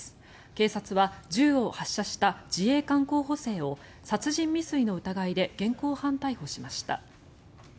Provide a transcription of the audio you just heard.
警察は銃を発射した自衛官候補生を殺人未遂の疑いで現行犯逮捕しました。